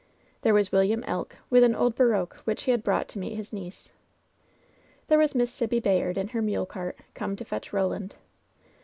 There was William Elk, with an old barouche which he had brought to meet his niece. There was Miss Sibby Bayard in her mule cart, come to fetch Koland.